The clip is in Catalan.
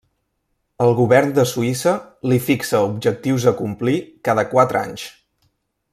El govern de Suïssa li fixa objectius a complir cada quatre anys.